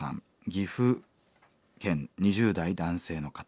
岐阜県２０代男性の方。